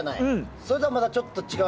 それとはまたちょっと違う？